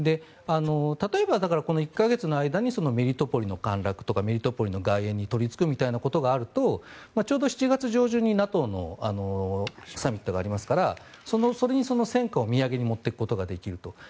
例えば、この１か月の間にメリトポリの陥落とかメリトポリの外縁に取りつくみたいなことがあるとちょうど７月上旬にＮＡＴＯのサミットがありますからそれに戦果を土産に持っていくことができると。